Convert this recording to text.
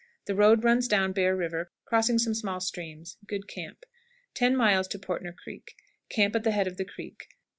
The road runs down Bear River, crossing some small streams. Good camp. 10. Portner Creek. Camp at the head of the creek.